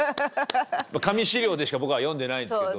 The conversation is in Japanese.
紙資料でしか僕は読んでないんですけど。